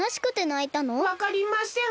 わかりません。